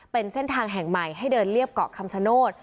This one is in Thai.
เป็นเส้นทางแห่งใหม่ให้เดินเรียบเกาะคำชโนธ